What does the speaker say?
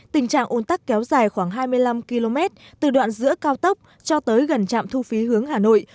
tình trạng ôn tắc kéo dài khoảng hai mươi năm km từ đoạn giữa cao tốc cho tới gần trạm thu phí hướng hà nội